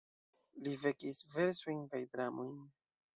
Li vekis versojn kaj dramojn.